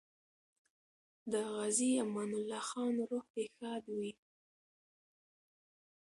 د غازي امان الله خان روح دې ښاد وي.